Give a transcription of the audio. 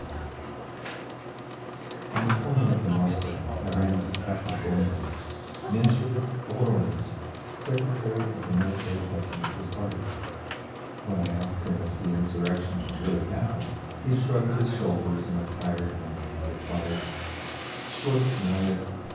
1) On the corner of the Morskaya I ran into Captain Gomberg, Menshevik oboronetz, secretary of the Military Section of his party. When I asked him if the insurrection had really happened he shrugged his shoulders in a tired manner and replied, "_Tchort znayet!